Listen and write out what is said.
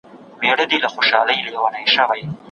تاسو باید له خپلو غنیمتونو څخه په سمه توګه ګټه واخلئ.